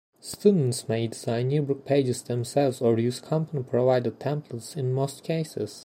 Students may design yearbook pages themselves or use company-provided templates in most cases.